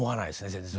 全然。